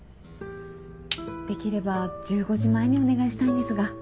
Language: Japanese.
できれば１５時前にお願いしたいんですが。